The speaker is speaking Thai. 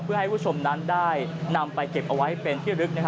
เพื่อให้ผู้ชมนั้นได้นำไปเก็บเอาไว้เป็นที่ลึก